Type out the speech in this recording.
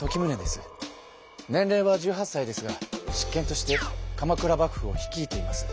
年れいは１８さいですが執権として鎌倉幕府を率いています。